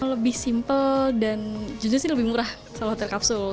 lebih simple dan jujur sih lebih murah sama hotel kapsul